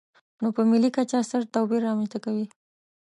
نو په ملي کچه ستر توپیر رامنځته کوي.